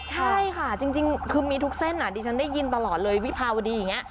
ใช่ค่ะจริงคือมีทุกเส้นดิฉันได้ยินตลอดเลยวิภาวดีอย่างนี้